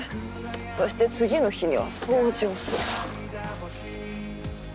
そして次の日には掃除をする。